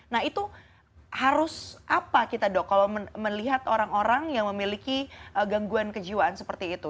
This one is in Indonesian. nah itu harus apa kita dok kalau melihat orang orang yang memiliki gangguan kejiwaan seperti itu